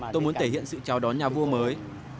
tôi muốn thể hiện sự chào đón nhà vua mới